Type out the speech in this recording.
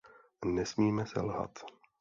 Nesmíme selhat.